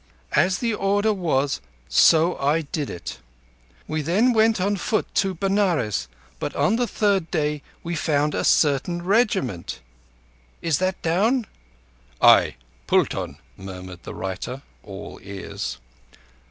As the order was, so I did it. We then went on foot towards Benares, but on the third day we found a certain regiment. Is that down?" "Ay, pulton," murmured the writer, all ears.